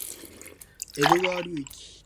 江戸川流域